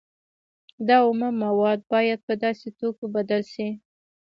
دا اومه مواد باید په داسې توکو بدل شي